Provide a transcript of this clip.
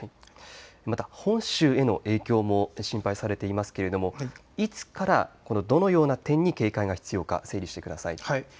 また本州への影響も心配されていますがいつからどのような点に警戒が必要か整理してください。